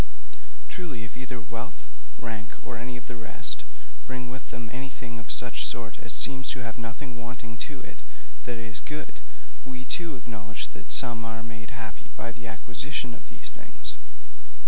Truly, if either wealth, rank, or any of the rest, bring with them anything of such sort as seems to have nothing wanting to it that is good, we, too, acknowledge that some are made happy by the acquisition of these things.